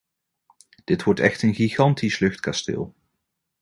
Dit wordt echt een gigantisch luchtkasteel.